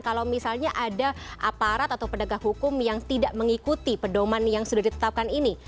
kalau misalnya ada aparat atau pedagang hukum yang tidak mengikuti pedoman yang sudah ditetapkan ini